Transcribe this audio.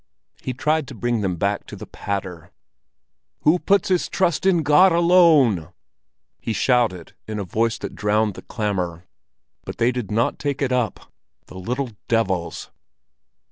He tried to bring them back to the patter. "Who puts his trust in God alone!" he shouted in a voice that drowned the clamor; but they did not take it up—the little devils!